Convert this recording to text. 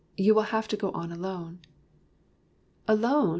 You will have to go on alone." "Alone?"